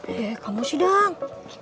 eh kamu sih dang